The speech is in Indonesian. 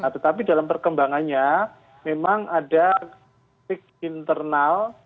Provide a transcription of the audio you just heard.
tetapi dalam perkembangannya memang ada kritik internal